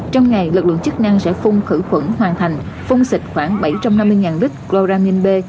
trong ngày lực lượng chức năng sẽ phun khử khuẩn hoàn thành phun xịt khoảng bảy trăm năm mươi lít chloramin b